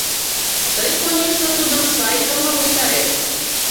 Тый, конешно, тудым сай ыҥылыктарет.